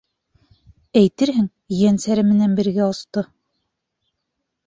Әйтерһең, ейәнсәре менән бергә осто.